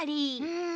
うん。